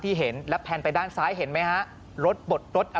ปี๖๕วันเกิดปี๖๔ไปร่วมงานเช่นเดียวกัน